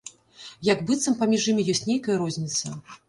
Як быццам паміж імі ёсць нейкая розніца.